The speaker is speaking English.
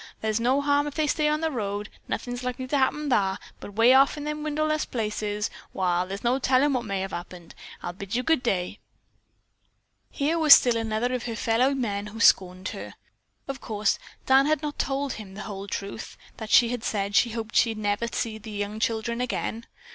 Thar's no harm if they stay on the road. Nothin's likely to happen thar, but 'way off in the wilderness places, wall, thar's no tellin' what may have happened. I'll bid you good day." Here was still another of her fellow men who scorned her. Of course, Dan had not told him the whole truth, that she had said she hoped she never again would see the children.